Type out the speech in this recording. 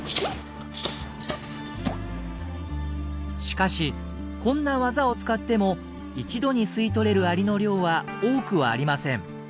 しかしこんな技を使っても一度に吸い取れるアリの量は多くはありません。